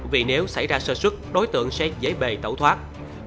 vì nếu xảy ra sơ sức đối tượng sẽ dễ bề tẩu thoát